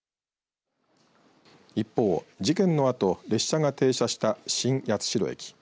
一方、事件のあと車が最初に停車した新八代駅。